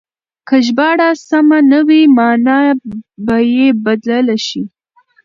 که ژباړه سمه نه وي مانا به يې بدله شي.